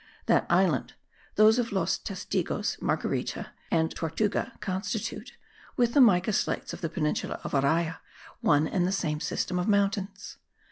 That island, those of Los Testigos, Marguerita and Tortuga constitute, with the mica slates of the peninsula of Araya, one and the same system of mountains.